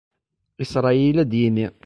Isṛayil ad yini.